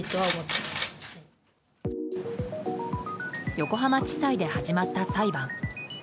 横浜地裁で始まった裁判。